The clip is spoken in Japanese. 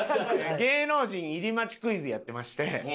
芸能人入り待ちクイズやってまして。